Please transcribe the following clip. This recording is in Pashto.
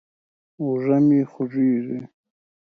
اوږه مې خوږېږي.